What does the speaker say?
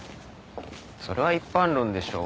それは一般論でしょ。